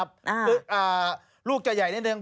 คือลูกจะใหญ่นิดนึง